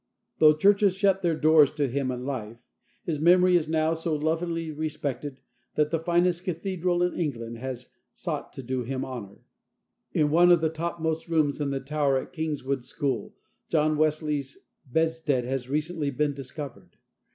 Though churches shut their doors to him in life, his memory is now so lovingly respected, that the finest Cathedral in England has sought to do him honour. In one of the topmost rooms in the tower at Kingswood School, John Wesley's bedstead has recently been discovered.